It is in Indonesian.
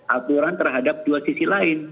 aturan terhadap dua sisi lain